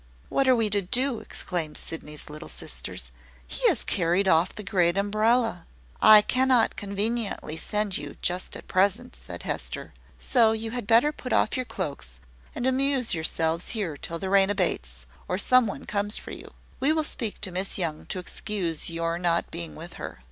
"What are we to do?" exclaimed Sydney's little sisters. "He has carried off the great umbrella." "I cannot conveniently send you, just at present," said Hester; "so you had better put off your cloaks, and amuse yourselves here till the rain abates, or some one comes for you. We will speak to Miss Young to excuse your not being with her."